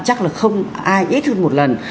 chắc là không ai ít hơn một lần